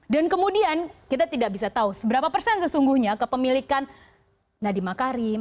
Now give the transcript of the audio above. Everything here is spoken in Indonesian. dan kemudian kita tidak bisa tahu seberapa persen sesungguhnya kepemilikan nadi makarim